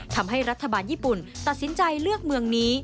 ทำให้รัฐบาลญี่ปุ่นตัดสินใจเลือกเมืองนี้